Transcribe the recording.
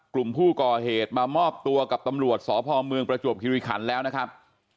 กลุ่มผู้ก่อเหตุมามอบตัวกับตำรวจสพเมืองประจวบคิริขันแล้วนะครับ